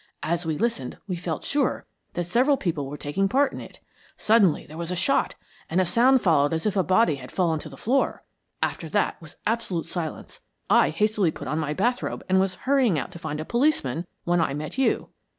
As we listened we felt sure that several people were taking part in it. Suddenly there was a shot, and a sound followed as if a body had fallen to the floor. After that there was absolute silence. I hastily put on my bath robe, and was hurrying out to find a policeman when I met you."